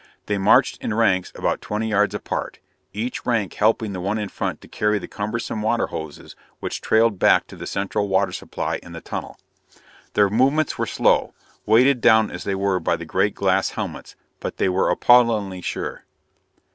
They marched in ranks about twenty yards apart, each rank helping the one in front to carry the cumbersome water hoses which trailed back to the central water supply in the tunnel. Their movements were slow, weighted down as they were by the great glass helmets, but they were appallingly sure.